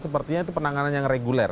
sepertinya itu penanganan yang reguler